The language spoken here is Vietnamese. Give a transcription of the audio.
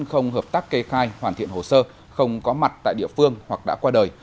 không hợp tác kê khai hoàn thiện hồ sơ không có mặt tại địa phương hoặc đã qua đời